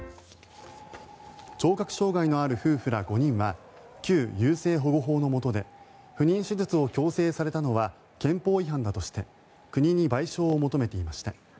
聴覚障害のある夫婦ら５人は旧優生保護法のもとで不妊手術を強制されたのは憲法違反だとして国に賠償を求めていました。